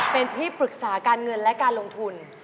เป็นที่ปรึกษาการเงินและการลงทุน